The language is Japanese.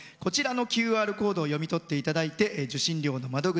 ＱＲコードを読み取っていただいて受信料の窓口